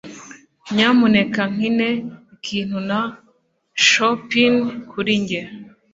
Nyamuneka nkine ikintu na Chopin kuri njye.